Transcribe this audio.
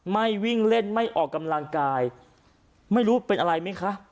ไม่วิ่งเล่นไม่ออกกำลังกายไม่รู้เป็นอะไรไหมคะ